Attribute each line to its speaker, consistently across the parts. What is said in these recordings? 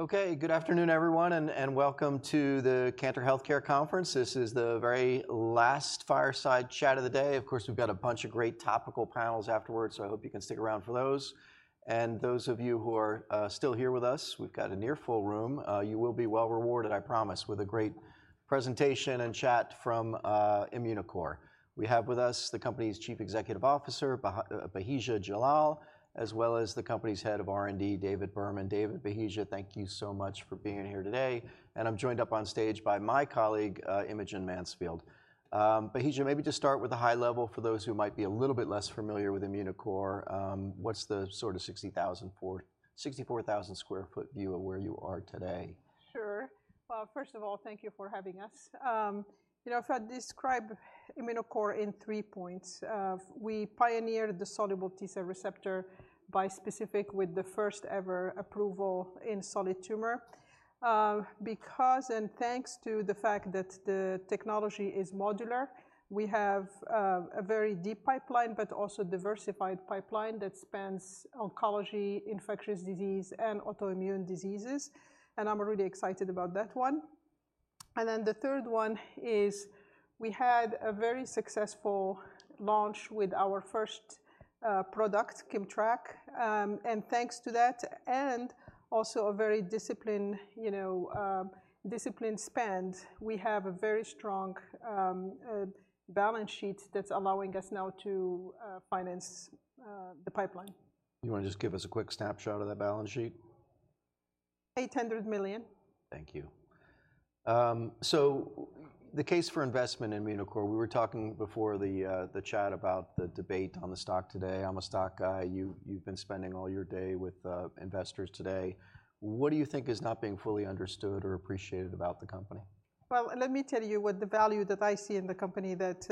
Speaker 1: Okay, good afternoon everyone, and welcome to the Cantor Healthcare Conference. This is the very last fireside chat of the day. Of course, we've got a bunch of great topical panels afterwards, so I hope you can stick around for those. And those of you who are still here with us, we've got a near full room, you will be well rewarded, I promise, with a great presentation and chat from Immunocore. We have with us the company's Chief Executive Officer, Bahija Jallal, as well as the company's Head of R&D, David Berman. David, Bahija, thank you so much for being here today, and I'm joined up on stage by my colleague, Imogen Mansfield. Bahija, maybe just start with a high level for those who might be a little bit less familiar with Immunocore. What's the sort of 64,000 sq ft view of where you are today?
Speaker 2: Sure. Well, first of all, thank you for having us. You know, if I describe Immunocore in three points, we pioneered the soluble T-cell receptor bispecific with the first ever approval in solid tumor. Because, and thanks to the fact that the technology is modular, we have a very deep pipeline, but also diversified pipeline that spans oncology, infectious disease, and autoimmune diseases, and I'm really excited about that one. And then the third one is, we had a very successful launch with our first product, KIMMTRAK. And thanks to that, and also a very disciplined, you know, disciplined spend, we have a very strong balance sheet that's allowing us now to finance the pipeline. You wanna just give us a quick snapshot of that balance sheet? $800 million. Thank you. So the case for investment in Immunocore, we were talking before the chat about the debate on the stock today. I'm a stock guy. You've been spending all your day with investors today. What do you think is not being fully understood or appreciated about the company? Let me tell you what the value that I see in the company that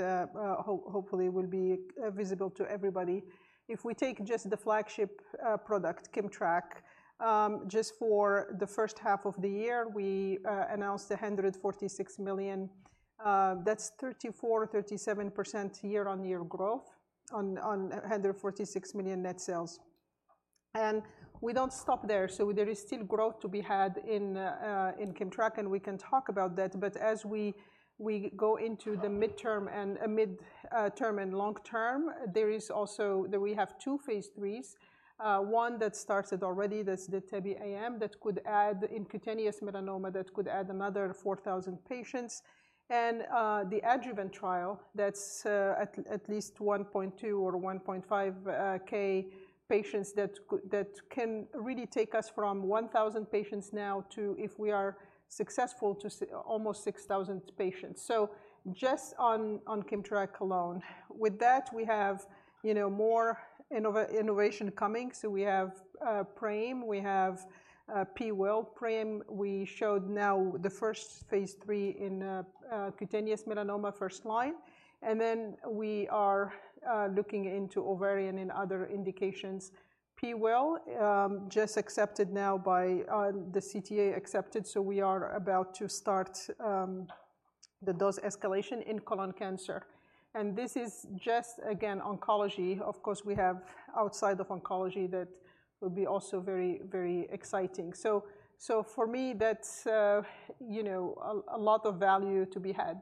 Speaker 2: hopefully will be visible to everybody. If we take just the flagship product, KIMMTRAK, just for the first half of the year, we announced $146 million. That's 34%-37% year-on-year growth on $146 million net sales. And we don't stop there, so there is still growth to be had in KIMMTRAK, and we can talk about that. But as we go into the midterm and long term, there is also that we have two phase IIIs. One that started already, that's the TEBE-AM, that could add in cutaneous melanoma, that could add another 4,000 patients. The adjuvant trial, that's at least 1,200or 1,500 patients, that can really take us from 1000 patients now to, if we are successful, to almost 6000 patients. So just on KIMMTRAK alone. With that, we have, you know, more innovation coming. So we have PRAME, we have PIWIL PRAME. We showed now the first phase III in cutaneous melanoma first line, and then we are looking into ovarian and other indications. P just accepted now by the CTA accepted, so we are about to start the dose escalation in colon cancer. And this is just, again, oncology. Of course, we have outside of oncology that will be also very, very exciting. So, for me, that's, you know, a lot of value to be had.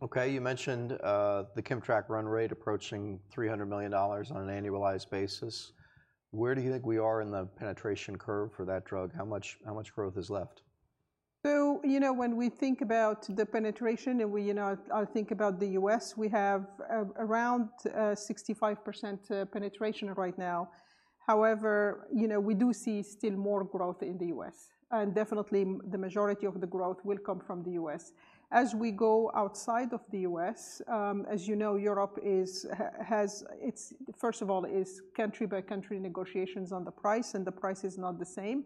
Speaker 2: Okay. You mentioned the KIMMTRAK run rate approaching $300 million on an annualized basis. Where do you think we are in the penetration curve for that drug? How much growth is left? So, you know, when we think about the penetration and we, you know, think about the U.S., we have around 65% penetration right now. However, you know, we do see still more growth in the U.S., and definitely, the majority of the growth will come from the U.S. As we go outside of the U.S., as you know, Europe has its first of all, is country-by-country negotiations on the price, and the price is not the same.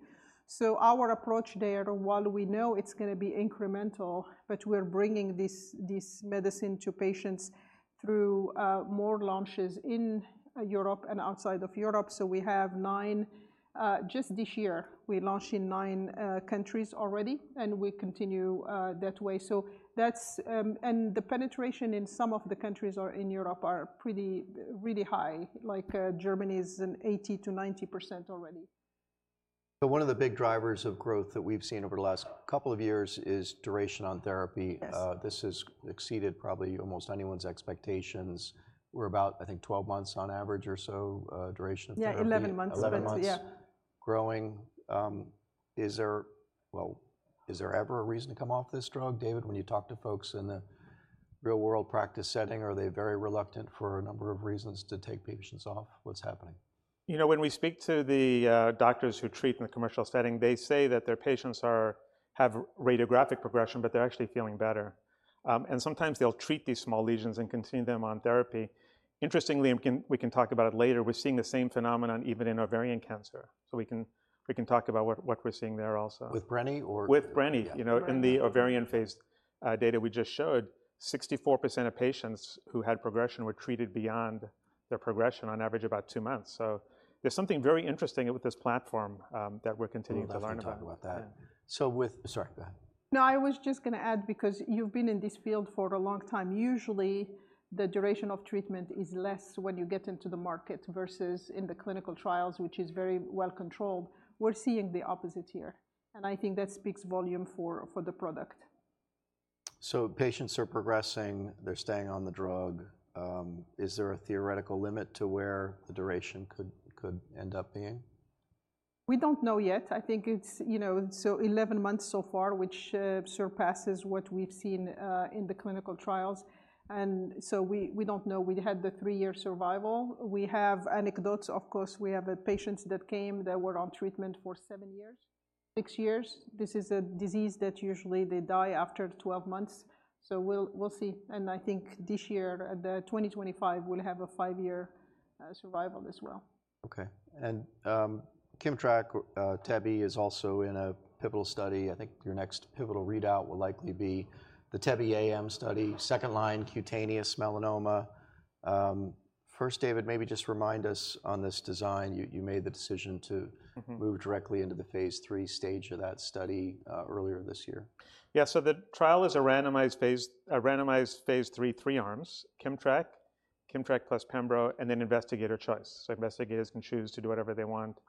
Speaker 2: So our approach there, while we know it's gonna be incremental, but we're bringing this medicine to patients through more launches in Europe and outside of Europe. So we have nine, just this year, we launched in nine countries already, and we continue that way. So that's...And the penetration in some of the countries or in Europe are pretty really high, like, Germany is in 80%-90% already. But one of the big drivers of growth that we've seen over the last couple of years is duration on therapy. Yes. This has exceeded probably almost anyone's expectations. We're about, I think, 12 months on average or so, duration of therapy- Yeah, eleven months. Eleven months- Yeah Growing. Well, is there ever a reason to come off this drug? David, when you talk to folks in a real-world practice setting, are they very reluctant for a number of reasons to take patients off? What's happening?
Speaker 3: You know, when we speak to the doctors who treat in the commercial setting, they say that their patients have radiographic progression, but they're actually feeling better. And sometimes they'll treat these small lesions and continue them on therapy. Interestingly, and we can talk about it later, we're seeing the same phenomenon even in ovarian cancer. So we can talk about what we're seeing there also. With Brenni. With Brenni. Yeah, Brenni. You know, in the ovarian phase, data we just showed, 64% of patients who had progression were treated beyond their progression on average about two months. So there's something very interesting with this platform that we're continuing to learn about. We'd love to talk about that. Yeah. So with... Sorry, go ahead.
Speaker 2: .No, I was just going to add, because you've been in this field for a long time, usually the duration of treatment is less when you get into the market versus in the clinical trials, which is very well controlled. We're seeing the opposite here, and I think that speaks volume for the product. So patients are progressing, they're staying on the drug. Is there a theoretical limit to where the duration could end up being? We don't know yet. I think it's, you know, so eleven months so far, which surpasses what we've seen in the clinical trials, and so we don't know. We had the three-year survival. We have anecdotes, of course. We have patients that came that were on treatment for seven years, six years. This is a disease that usually they die after 12 months, so we'll see. I think this year, the 2025, we'll have a five-year survival as well. Okay. And, KIMMTRAK, TEBE, is also in a pivotal study. I think your next pivotal readout will likely be the TEBE-AM study, second line, cutaneous melanoma. First, David, maybe just remind us on this design, you made the decision to-
Speaker 3: Mm-hmm Move directly into the phase III stage of that study, earlier this year. Yeah. So the trial is a randomized phase III, three arms: KIMMTRAK, KIMMTRAK plus Pembro, and then investigator choice. So investigators can choose to do whatever they want.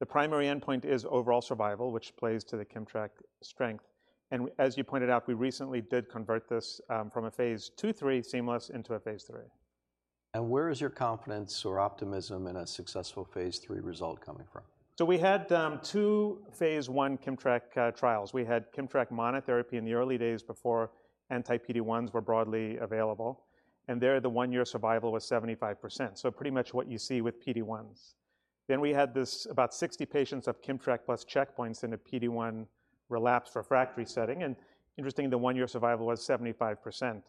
Speaker 3: The primary endpoint is overall survival, which plays to the KIMMTRAK strength. And as you pointed out, we recently did convert this from a phase II, III seamless into a phase III. Where is your confidence or optimism in a successful phase III result coming from? So we had two phase I KIMMTRAK trials. We had KIMMTRAK monotherapy in the early days before anti-PD-1s were broadly available, and there, the one-year survival was 75%, so pretty much what you see with PD-1s. Then we had this about 60 patients of KIMMTRAK plus checkpoints in a PD-1 relapse refractory setting, and interestingly, the one-year survival was 75%.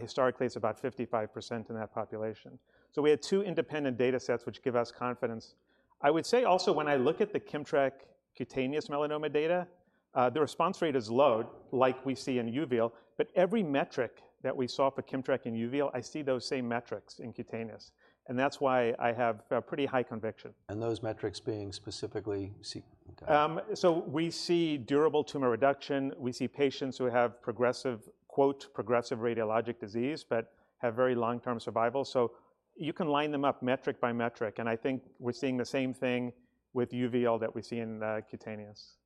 Speaker 3: Historically, it's about 55% in that population. So we had two independent data sets, which give us confidence. I would say also, when I look at the KIMMTRAK cutaneous melanoma data, the response rate is low, like we see in uveal, but every metric that we saw for KIMMTRAK in uveal, I see those same metrics in cutaneous, and that's why I have a pretty high conviction. Those metrics being specifically. Okay. So we see durable tumor reduction. We see patients who have progressive, "progressive radiographic disease," but have very long-term survival. So you can line them up metric by metric, and I think we're seeing the same thing with uveal that we see in cutaneous.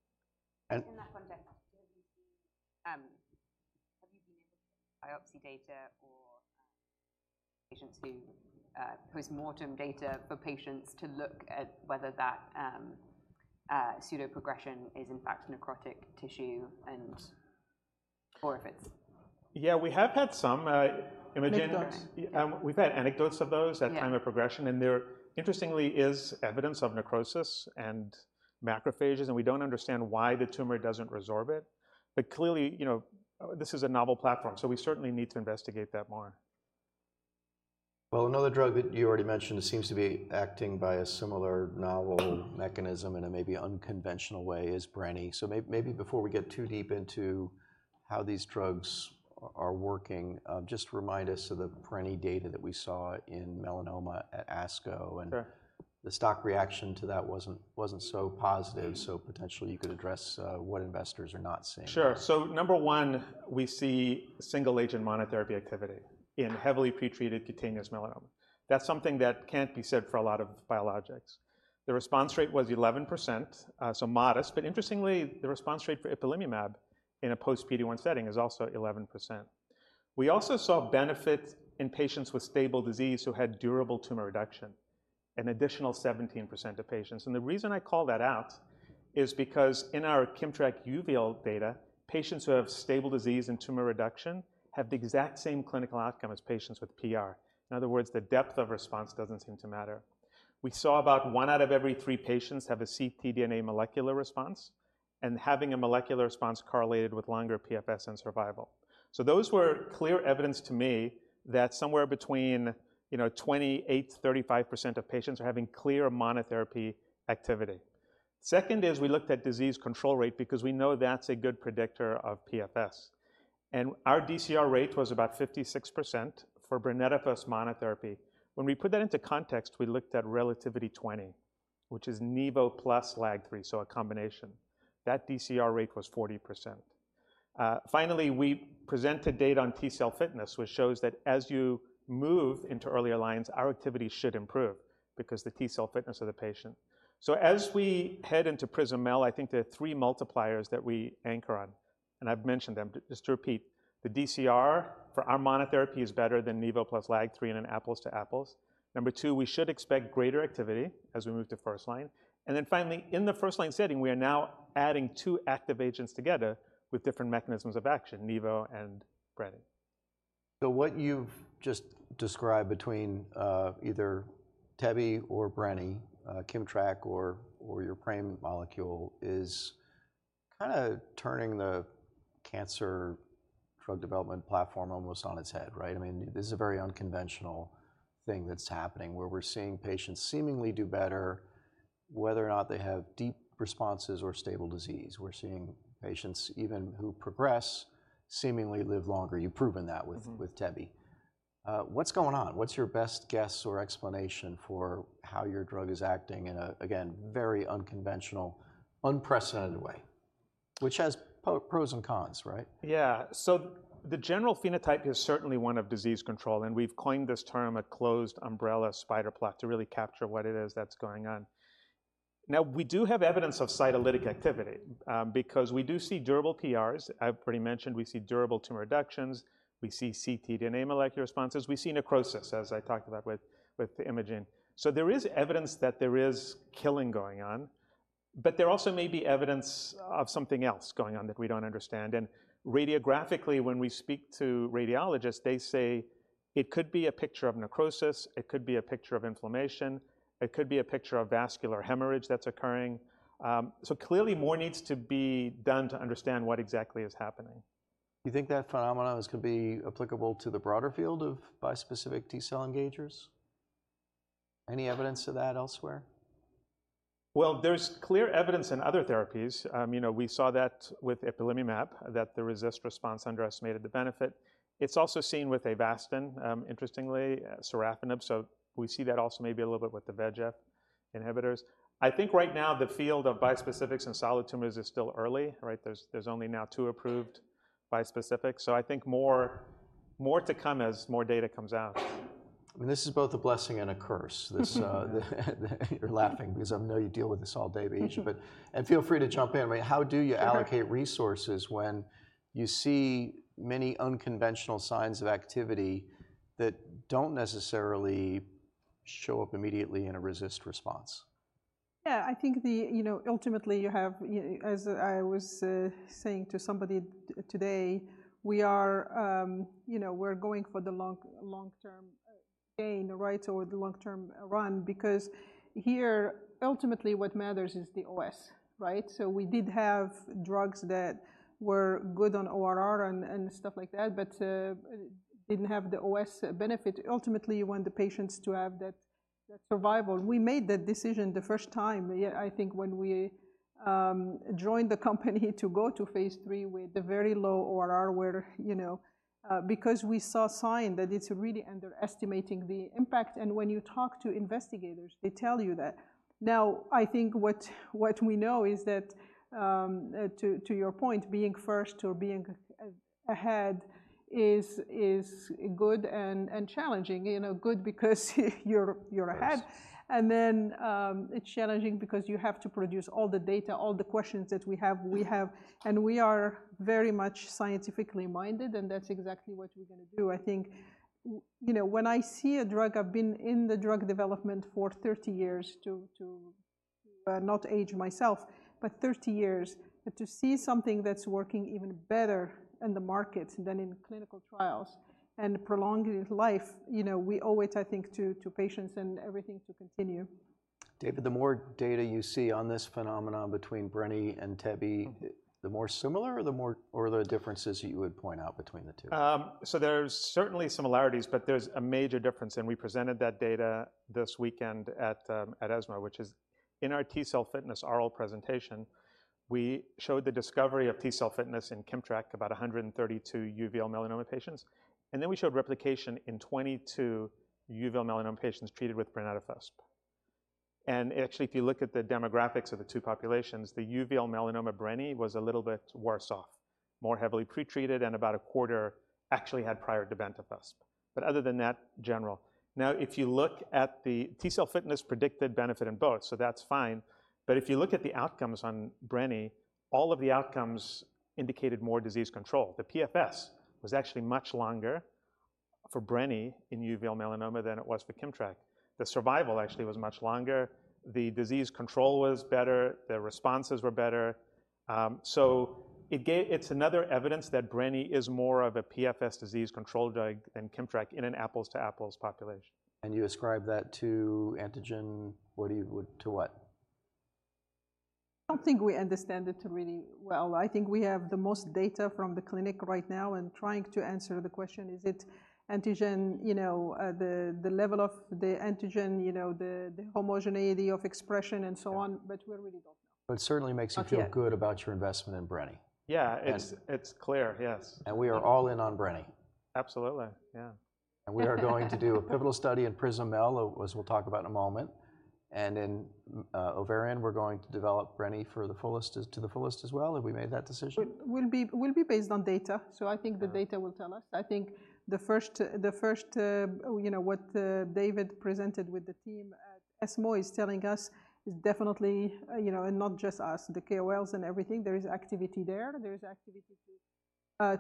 Speaker 3: And-
Speaker 4: In that context, have you been able to biopsy data or patients who, post-mortem data for patients to look at whether that, pseudoprogression is in fact necrotic tissue and... Or if it's-
Speaker 3: Yeah, we have had some imaging-
Speaker 2: Anecdotes.
Speaker 3: We've had anecdotes of those-
Speaker 4: Yeah
Speaker 3: At time of progression, and there, interestingly, is evidence of necrosis and macrophages, and we don't understand why the tumor doesn't resorb it. But clearly, you know, this is a novel platform, so we certainly need to investigate that more. Another drug that you already mentioned seems to be acting by a similar novel mechanism in a maybe unconventional way is Brenni. Maybe before we get too deep into how these drugs are working, just remind us of the Brenni data that we saw in melanoma at ASCO, and- Sure... the stock reaction to that wasn't so positive. So potentially, you could address what investors are not seeing. Sure. So number one, we see single agent monotherapy activity in heavily pretreated cutaneous melanoma. That's something that can't be said for a lot of biologics. The response rate was 11%, so modest, but interestingly, the response rate for ipilimumab in a post PD-1 setting is also 11%. We also saw benefit in patients with stable disease who had durable tumor reduction, an additional 17% of patients. And the reason I call that out is because in our KIMMTRAK uveal data, patients who have stable disease and tumor reduction have the exact same clinical outcome as patients with PR. In other words, the depth of response doesn't seem to matter. We saw about one out of every three patients have a ctDNA molecular response, and having a molecular response correlated with longer PFS and survival. Those were clear evidence to me that somewhere between, you know, 28%-35% of patients are having clear monotherapy activity. Second is we looked at disease control rate because we know that's a good predictor of PFS, and our DCR rate was about 56% for brenetafusp monotherapy. When we put that into context, we looked at RELATIVITY-020, which is NIVO plus LAG-3, so a combination. That DCR rate was 40%. Finally, we presented data on T cell fitness, which shows that as you move into earlier lines, our activity should improve because the T cell fitness of the patient. So as we head into PRISM-MEL, I think there are three multipliers that we anchor on, and I've mentioned them. Just to repeat, the DCR for our monotherapy is better than NIVO plus LAG-3 in an apples to apples. Number two, we should expect greater activity as we move to first line, and then finally, in the first line setting, we are now adding two active agents together with different mechanisms of action, NIVO and Brenni. So what you've just described between either TEBE or Brenni, KIMMTRAK or your PRAME molecule, is kinda turning the cancer drug development platform almost on its head, right? I mean, this is a very unconventional thing that's happening, where we're seeing patients seemingly do better, whether or not they have deep responses or stable disease. We're seeing patients even who progress, seemingly live longer. You've proven that with- Mm-hmm With TEBE. What's going on? What's your best guess or explanation for how your drug is acting in a, again, very unconventional, unprecedented way, which has pros and cons, right? Yeah. So the general phenotype is certainly one of disease control, and we've coined this term a "closed umbrella spider plot" to really capture what it is that's going on. Now, we do have evidence of cytolytic activity, because we do see durable PRs. I've already mentioned we see durable tumor reductions, we see ctDNA molecular responses, we see necrosis, as I talked about with the imaging. So there is evidence that there is killing going on, but there also may be evidence of something else going on that we don't understand. And radiographically, when we speak to radiologists, they say it could be a picture of necrosis, it could be a picture of inflammation, it could be a picture of vascular hemorrhage that's occurring. So clearly, more needs to be done to understand what exactly is happening. You think that phenomenon is going to be applicable to the broader field of bispecific T-cell engagers? Any evidence of that elsewhere? There's clear evidence in other therapies. You know, we saw that with ipilimumab, that the RECIST response underestimated the benefit. It's also seen with Avastin, interestingly, sorafenib, so we see that also maybe a little bit with the VEGF inhibitors. I think right now, the field of bispecifics and solid tumors is still early, right? There's only now two approved bispecifics, so I think more to come as more data comes out. I mean, this is both a blessing and a curse. This, you're laughing because I know you deal with this all day, Racha.
Speaker 2: Mm-hmm. Feel free to jump in. I mean, how do you allocate resources when you see many unconventional signs of activity that don't necessarily show up immediately in a RECIST response? Yeah, I think the, you know, ultimately, you have, as I was saying to somebody today, we are, you know, we're going for the long, long-term gain, right? Or the long-term run, because here, ultimately, what matters is the OS, right? So we did have drugs that were good on ORR and stuff like that, but didn't have the OS benefit. Ultimately, you want the patients to have that survival. We made that decision the first time, yeah, I think, when we joined the company to go to phase III with the very low ORR, where, you know, because we saw signs that it's really underestimating the impact, and when you talk to investigators, they tell you that. Now, I think what we know is that, to your point, being first or being ahead is good and challenging. You know, good because you're ahead- Yes And then, it's challenging because you have to produce all the data, all the questions that we have, and we are very much scientifically minded, and that's exactly what we're gonna do. I think, you know, when I see a drug, I've been in the drug development for 30 years, to not age myself, but 30 years. But to see something that's working even better in the markets than in clinical trials and prolonging life, you know, we owe it, I think, to patients and everything to continue. David, the more data you see on this phenomenon between Brenni and TEBE-
Speaker 3: Mm-hmm The more similar, or are there differences that you would point out between the two? So there's certainly similarities, but there's a major difference, and we presented that data this weekend at ESMO, which is in our T-cell fitness oral presentation, we showed the discovery of T-cell fitness in KIMMTRAK about 132 uveal melanoma patients. And then we showed replication in 22 uveal melanoma patients treated with brenetafusp. And actually, if you look at the demographics of the two populations, the uveal melanoma Brenni was a little bit worse off, more heavily pretreated, and about a quarter actually had prior to brenetafusp. But other than that, general. Now, if you look at the T-cell fitness predicted benefit in both, so that's fine. But if you look at the outcomes on Brenni, all of the outcomes indicated more disease control. The PFS was actually much longer for Brenni in uveal melanoma than it was for KIMMTRAK. The survival actually was much longer. The disease control was better. The responses were better. So it's another evidence that Brenni is more of a PFS disease control drug than KIMMTRAK in an apples-to-apples population. You ascribe that to antigen? What do you would to what?
Speaker 2: I don't think we understand it really well. I think we have the most data from the clinic right now, and trying to answer the question: Is it antigen? You know, the level of the antigen, you know, the homogeneity of expression and so on- Yeah... but we really don't know. But it certainly makes you- Not yet... feel good about your investment in Brenni.
Speaker 3: Yeah, it's- And- It's clear, yes. We are all in on Brenni? Absolutely, yeah. We are going to do a pivotal study in PRISM-MEL, as we'll talk about in a moment. In ovarian, we're going to develop Brenni to the fullest as well. Have we made that decision?
Speaker 2: will be based on data, so I think the data will tell us. I think the first, you know, what David presented with the team at ESMO is telling us is definitely, you know, and not just us, the KOLs and everything, there is activity there. There is activity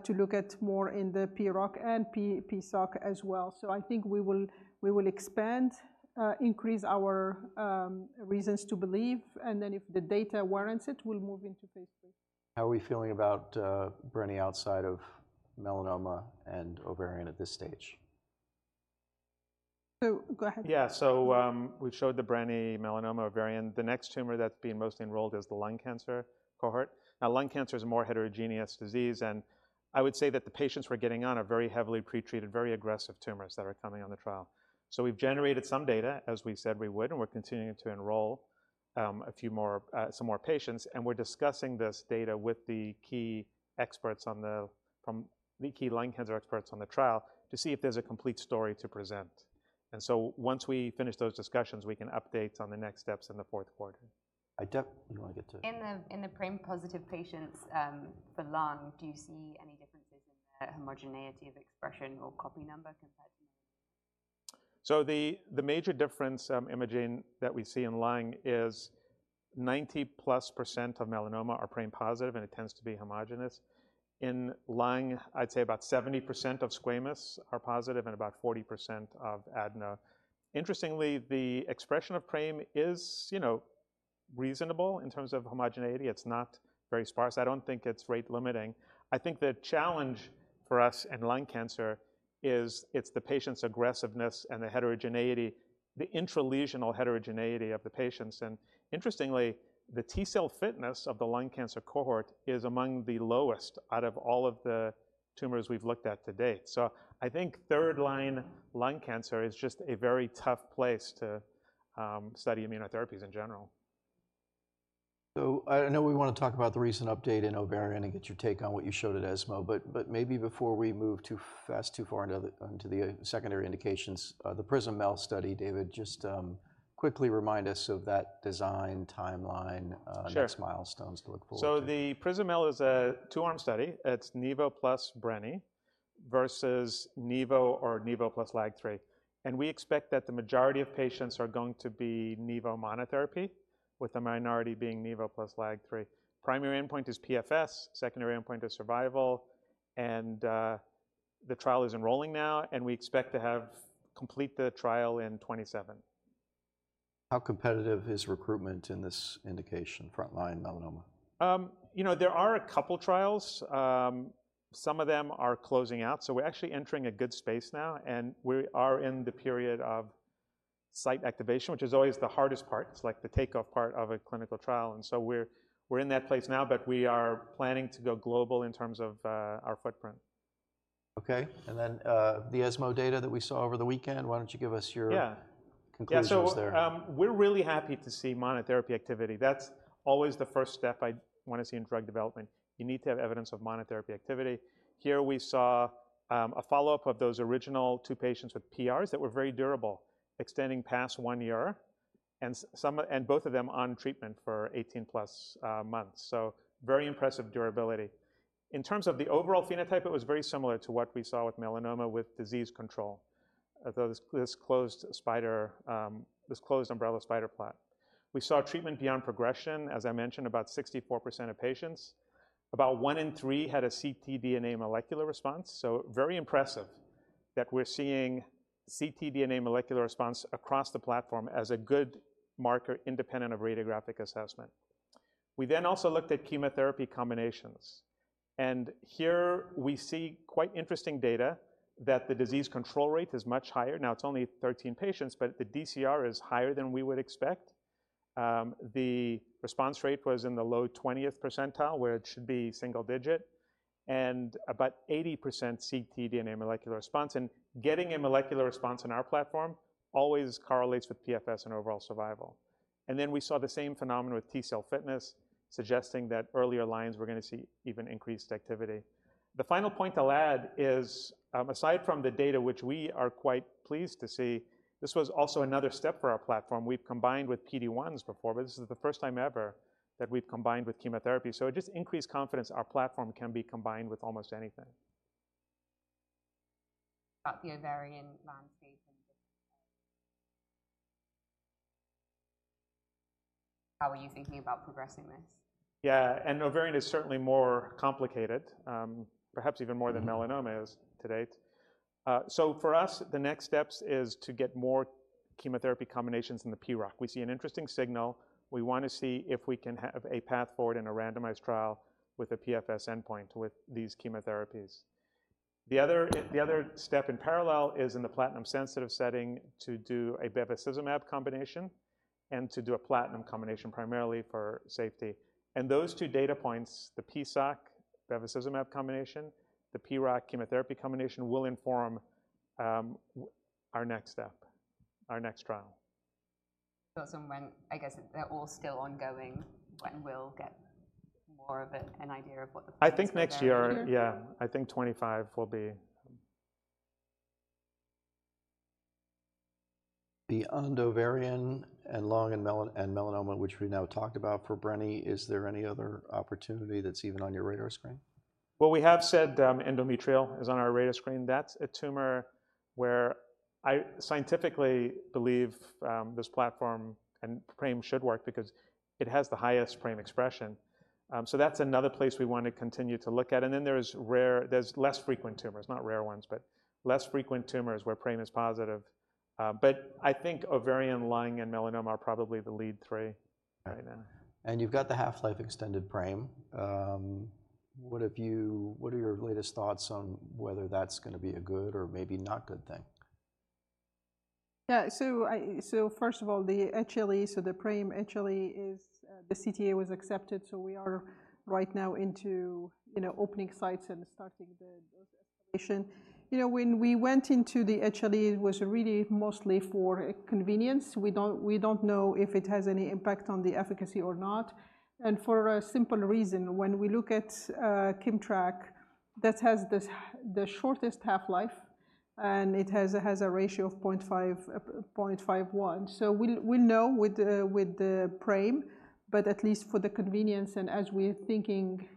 Speaker 2: to look at more in the PROC and PSOC as well. So I think we will expand, increase our reasons to believe, and then if the data warrants it, we'll move into phase III. How are we feeling about Brenni outside of melanoma and ovarian at this stage? So go ahead.
Speaker 3: Yeah, so, we've showed the Brenni melanoma ovarian. The next tumor that's being mostly enrolled is the lung cancer cohort. Now, lung cancer is a more heterogeneous disease, and I would say that the patients we're getting on are very heavily pretreated, very aggressive tumors that are coming on the trial. So we've generated some data, as we've said we would, and we're continuing to enroll a few more, some more patients, and we're discussing this data with the key experts from the key lung cancer experts on the trial to see if there's a complete story to present, and so once we finish those discussions, we can update on the next steps in the fourth quarter. You want to get to
Speaker 4: In the PRAME-positive patients, for lung, do you see any differences in the homogeneity of expression or copy number compared to...?
Speaker 3: So the major difference, imaging that we see in lung is 90%+ of melanoma are PRAME positive, and it tends to be homogeneous. In lung, I'd say about 70% of squamous are positive and about 40% of adeno. Interestingly, the expression of PRAME is, you know, reasonable in terms of homogeneity. It's not very sparse. I don't think it's rate limiting. I think the challenge for us in lung cancer is it's the patient's aggressiveness and the heterogeneity, the intralesional heterogeneity of the patients. And interestingly, the T cell fitness of the lung cancer cohort is among the lowest out of all of the tumors we've looked at to date. So I think third line lung cancer is just a very tough place to study immunotherapies in general. So I know we want to talk about the recent update in ovarian and get your take on what you showed at ESMO. But maybe before we move too fast, too far into the secondary indications, the PRISM-MEL study, David, just quickly remind us of that design timeline. Sure... and its milestones to look forward to. The PRISM-MEL is a two-arm study. It's NIVO plus Brenni versus NIVO or NIVO plus LAG-3. We expect that the majority of patients are going to be NIVO monotherapy, with the minority being NIVO plus LAG-3. Primary endpoint is PFS, secondary endpoint is survival, and the trial is enrolling now, and we expect to complete the trial in 2027. How competitive is recruitment in this indication, frontline melanoma? You know, there are a couple trials. Some of them are closing out, so we're actually entering a good space now, and we are in the period of site activation, which is always the hardest part. It's like the take-off part of a clinical trial, and so we're in that place now, but we are planning to go global in terms of our footprint. Okay. And then, the ESMO data that we saw over the weekend, why don't you give us your- Yeah... conclusions there? Yeah, so, we're really happy to see monotherapy activity. That's always the first step I'd want to see in drug development. You need to have evidence of monotherapy activity. Here we saw a follow-up of those original two patients with PRs that were very durable, extending past one year, and both of them on treatment for eighteen plus months. So very impressive durability. In terms of the overall phenotype, it was very similar to what we saw with melanoma, with disease control. Though this closed umbrella spider plot. We saw treatment beyond progression, as I mentioned, about 64% of patients. About one in three had a ctDNA molecular response, so very impressive that we're seeing ctDNA molecular response across the platform as a good marker, independent of radiographic assessment. We then also looked at chemotherapy combinations, and here we see quite interesting data that the disease control rate is much higher. Now, it's only 13 patients, but the DCR is higher than we would expect. The response rate was in the low twentieth percentile, where it should be single digit, and about 80% ctDNA molecular response, and getting a molecular response in our platform always correlates with PFS and overall survival, and then we saw the same phenomenon with T cell fitness, suggesting that earlier lines, we're going to see even increased activity. The final point I'll add is, aside from the data, which we are quite pleased to see, this was also another step for our platform. We've combined with PD-1s before, but this is the first time ever that we've combined with chemotherapy, so it just increased confidence our platform can be combined with almost anything.
Speaker 4: About the ovarian landscape and... How are you thinking about progressing this?
Speaker 3: Yeah, and ovarian is certainly more complicated, perhaps even more than melanoma is to date. So for us, the next steps is to get more chemotherapy combinations in the PROC. We see an interesting signal. We want to see if we can have a path forward in a randomized trial with a PFS endpoint with these chemotherapies. The other step in parallel is in the platinum sensitive setting, to do a bevacizumab combination and to do a platinum combination, primarily for safety. And those two data points, the PSOC, bevacizumab combination, the PROC chemotherapy combination, will inform, our next step, our next trial.
Speaker 4: I guess they're all still ongoing, when we'll get more of an idea of what the plan is there.
Speaker 3: I think next year.
Speaker 4: Mm-hmm.
Speaker 3: Yeah, I think 2025 will be... Beyond ovarian and lung and melanoma, which we now talked about for Brenni, is there any other opportunity that's even on your radar screen? We have said, endometrial is on our radar screen. That's a tumor where I scientifically believe this platform and PRAME should work because it has the highest PRAME expression. So that's another place we want to continue to look at. And then there's less frequent tumors, not rare ones, but less frequent tumors where PRAME is positive. But I think ovarian, lung, and melanoma are probably the lead three right now. You've got the half-life extended PRAME. What are your latest thoughts on whether that's going to be a good or maybe not good thing?
Speaker 2: Yeah. So first of all, the HLE, so the PRAME HLE, is the CTA was accepted, so we are right now into, you know, opening sites and starting the dose escalation. You know, when we went into the HLE, it was really mostly for convenience. We don't, we don't know if it has any impact on the efficacy or not, and for a simple reason. When we look at KIMMTRAK, that has the shortest half-life and it has a ratio of 0.51. So we'll know with the PRAME, but at least for the convenience and as we're thinking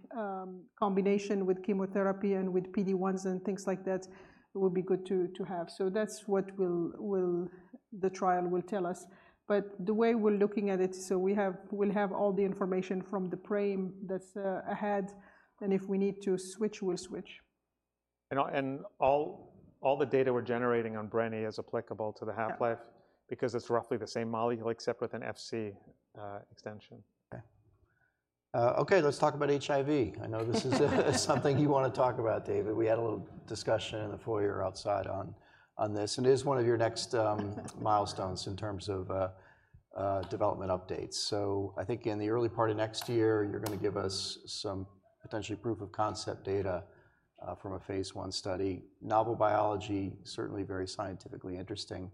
Speaker 2: combination with chemotherapy and with PD-1s and things like that, it will be good to have. So that's what the trial will tell us. But the way we're looking at it, so we'll have all the information from the PRAME that's ahead, and if we need to switch, we'll switch.
Speaker 3: All the data we're generating on Brenni is applicable to the half-life-
Speaker 2: Yeah
Speaker 3: because it's roughly the same molecule, except with an Fc extension. Okay. Okay, let's talk about HIV. I know this is something you want to talk about, David. We had a little discussion in the foyer outside on this, and it is one of your next milestones in terms of development updates. So I think in the early part of next year, you're going to give us some potentially proof of concept data from a phase I study. Novel biology, certainly very scientifically interesting.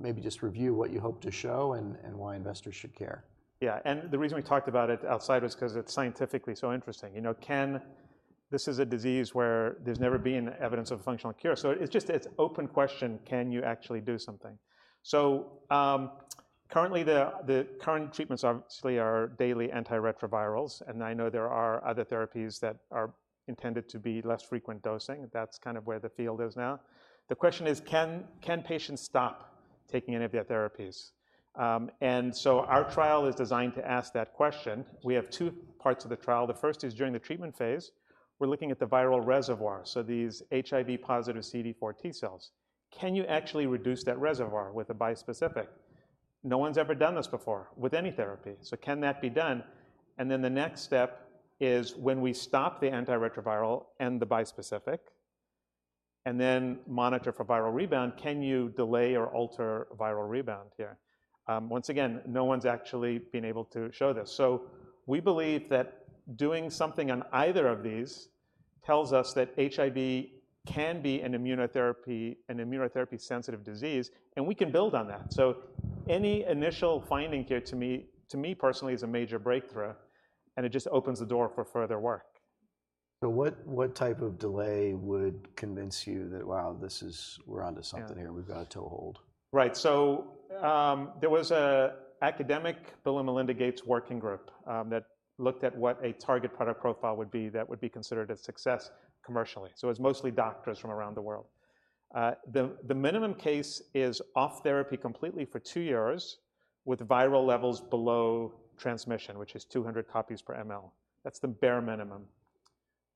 Speaker 3: Maybe just review what you hope to show and why investors should care. Yeah, and the reason we talked about it outside was 'cause it's scientifically so interesting. You know, can... This is a disease where there's never been evidence of a functional cure. So it's just, it's open question: Can you actually do something? So, currently, the current treatments obviously are daily antiretrovirals, and I know there are other therapies that are intended to be less frequent dosing. That's kind of where the field is now. The question is: Can patients stop taking any of their therapies? And so our trial is designed to ask that question. We have two parts of the trial. The first is, during the treatment phase, we're looking at the viral reservoir, so these HIV positive CD4 T cells. Can you actually reduce that reservoir with a bispecific? No one's ever done this before with any therapy, so can that be done? And then the next step is, when we stop the antiretroviral and the bispecific, and then monitor for viral rebound, can you delay or alter viral rebound here? Once again, no one's actually been able to show this. So we believe that doing something on either of these tells us that HIV can be an immunotherapy, an immunotherapy sensitive disease, and we can build on that. So any initial finding here, to me, to me personally, is a major breakthrough, and it just opens the door for further work? So what type of delay would convince you that, wow, this is... we're onto something here- Yeah We've got to hold? Right. So there was an academic Bill and Melinda Gates working group that looked at what a target product profile would be that would be considered a success commercially. So it's mostly doctors from around the world. The minimum case is off therapy completely for two years, with viral levels below transmission, which is 200 copies per ml. That's the bare minimum.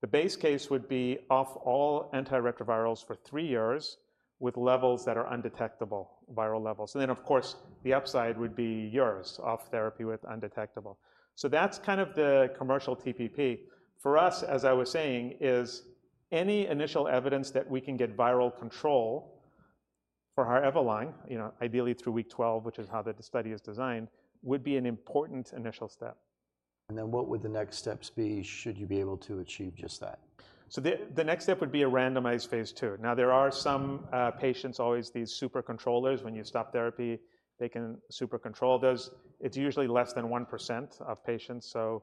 Speaker 3: The base case would be off all antiretrovirals for three years, with levels that are undetectable, viral levels, and then, of course, the upside would be yours, off therapy with undetectable. So that's kind of the commercial TPP. For us, as I was saying, is any initial evidence that we can get viral control for our HIV line, you know, ideally through week 12, which is how the study is designed, would be an important initial step. And then what would the next steps be, should you be able to achieve just that? So the next step would be a randomized phase two. Now, there are some patients, always these super controllers. When you stop therapy, they can super control those. It's usually less than 1% of patients, so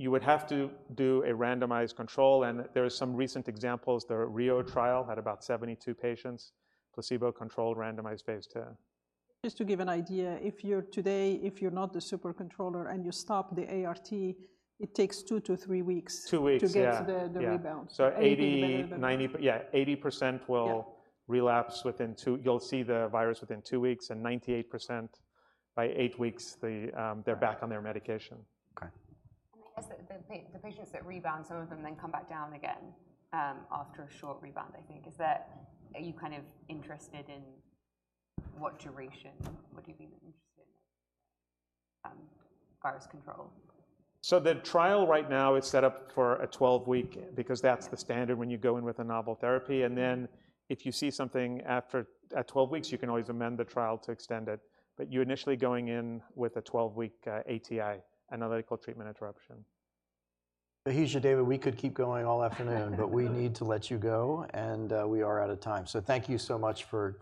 Speaker 3: you would have to do a randomized control, and there are some recent examples. The RIO trial had about 72 patients, placebo-controlled, randomized phase two.
Speaker 2: Just to give an idea, today, if you're not the super controller and you stop the ART, it takes two to three weeks.
Speaker 3: Two weeks, yeah....
Speaker 2: to get the rebound.
Speaker 3: Yeah. So 80%, 90%
Speaker 2: Yeah
Speaker 3: Yeah, 80% will relapse within two... You'll see the virus within two weeks, and 98%, by eight weeks, they. They're back on their medication. Okay.
Speaker 4: I guess the patients that rebound, some of them then come back down again after a short rebound, I think. Is that? Are you kind of interested in what duration would you be interested in virus control?
Speaker 3: The trial right now is set up for a 12-week, because that's the standard when you go in with a novel therapy, and then if you see something after, at 12 weeks, you can always amend the trial to extend it, but you're initially going in with a 12-week ATI, analytical treatment interruption. Bahija, David, we could keep going all afternoon, but we need to let you go, and we are out of time. So thank you so much for coming.